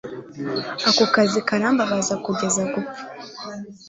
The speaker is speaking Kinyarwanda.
ako kazi karambabaza kugeza gupfa